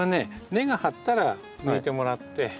根が張ったら抜いてもらってまた